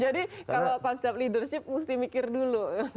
jadi kalau konsep leadership mesti mikir dulu